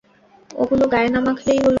এগুলো গায়ে না মাখলেই হলো!